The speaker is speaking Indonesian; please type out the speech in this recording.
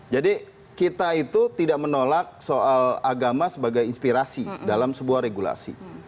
jadi kita itu tidak menolak soal agama sebagai inspirasi dalam sebuah regulasi